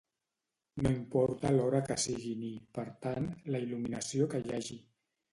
No importa l'hora que sigui ni, per tant, la il·luminació que hi hagi.